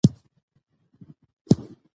احمدشاه بابا به د سپین ږیرو مشورې اورېدلي.